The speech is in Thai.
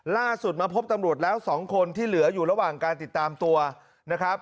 ล่าสุดมาพบตำรวจแล้ว๒คนที่เหลืออยู่ระหว่างการติดตามตัวนะครับ